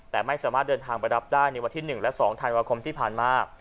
แต่ไม่สามารถเดินทางไปรับได้ในวันที่๑และ๒ธันวาคมที่ผ่านมา